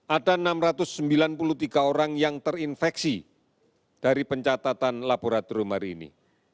ada enam ratus sembilan puluh tiga orang yang terinfeksi dari pencatatan laboratorium hari ini